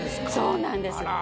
そうなんです。